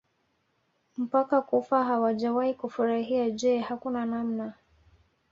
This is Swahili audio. mpaka kufa hawajawahi kufurahia Je hakuna namna